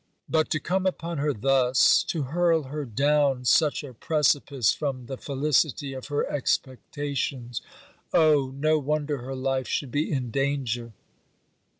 But to come upon her thus, to hurl her down such a precipice from the felicity of her expectations Oh, no wonder her life should be in danger!